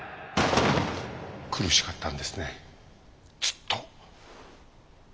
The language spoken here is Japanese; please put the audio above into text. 苦しかったんですねずっと。